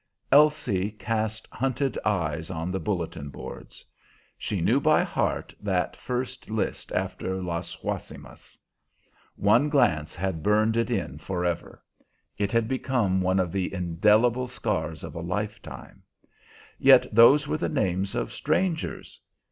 Elsie cast hunted eyes on the bulletin boards. She knew by heart that first list after Las Guasimas. One glance had burned it in forever. It had become one of the indelible scars of a lifetime. Yet those were the names of strangers.